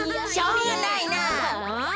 うん？